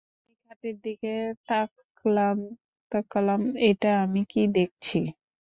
আমি খাটের দিকে তাকলাম-এটা আমি কী দেখছি!